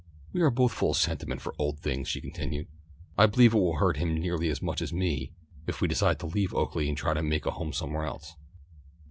"We are both full of sentiment for old things," she continued. "I believe it will hurt him nearly as much as me if we decide to leave Oaklea and try to make a home somewhere else."